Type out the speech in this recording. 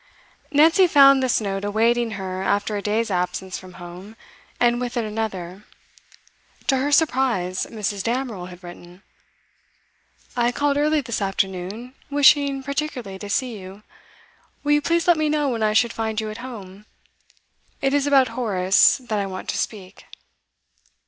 Nancy found this note awaiting her after a day's absence from home, and with it another. To her surprise, Mrs. Damerel had written. 'I called early this afternoon, wishing particularly to see you. Will you please let me know when I should find you at home? It is about Horace that I want to speak.